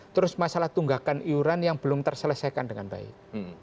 terus masalah tunggakan iuran yang belum terselesaikan dengan baik